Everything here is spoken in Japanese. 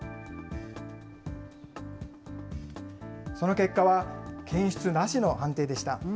その結果は、検出なしの判定でした。